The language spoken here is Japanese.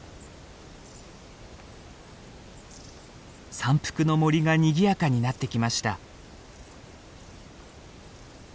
山腹の森がにぎやかになってきました。